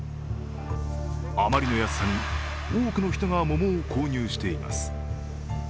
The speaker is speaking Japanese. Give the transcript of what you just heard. あまりの安さに多くの人が桃を購入しています。